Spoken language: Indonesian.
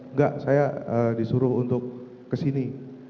enggak saya disuruh untuk kesini